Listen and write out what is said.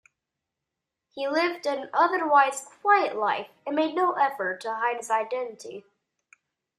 He lived an otherwise quiet life and made no effort to hide his identity.